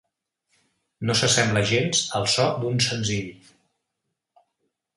No s'assembla gens al so d'un senzill.